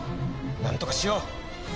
なんとかしよう。